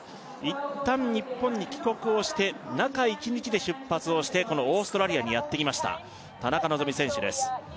一旦日本に帰国をして中一日で出発をしてこのオーストラリアにやってきました田中希実選手です